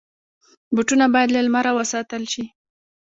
بوټونه باید له لمره وساتل شي.